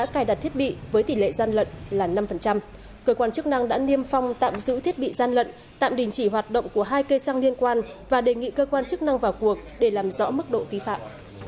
cơ quan chức năng đã niêm phong tạm giữ thiết bị gian lận tạm đình chỉ hoạt động của hai cây xăng liên quan và đề nghị cơ quan chức năng vào cuộc để làm rõ mức độ vi phạm